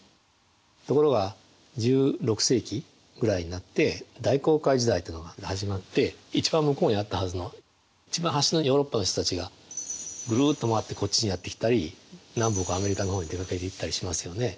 ところが１６世紀ぐらいになって大航海時代というのが始まって一番向こうにあったはずの一番端のヨーロッパの人たちがグルっと回ってこっちにやって来たり南北アメリカの方に出かけていったりしますよね。